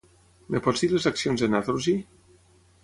Em pots dir les accions de Naturgy?